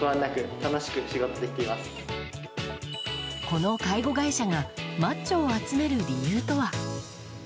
この介護会社がマッチョを集める理由とは？